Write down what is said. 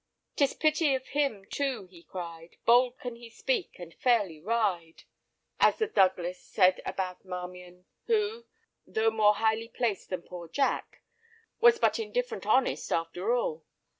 "''Tis pity of him, too, he cried, Bold can he speak, and fairly ride,' as the Douglas said about Marmion, who, though more highly placed than poor Jack, was but indifferent honest after all.